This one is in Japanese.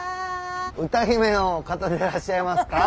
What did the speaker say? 歌姫の方でいらっしゃいますか？